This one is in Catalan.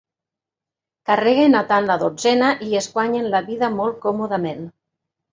Carreguen a tant la dotzena, i es guanyen la vida molt còmodament.